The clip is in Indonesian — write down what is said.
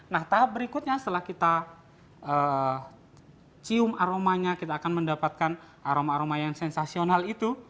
nah tahap berikutnya setelah kita cium aromanya kita akan mendapatkan aroma aroma yang sensasional itu